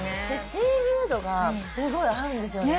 シーフードがすごい合うんですよね。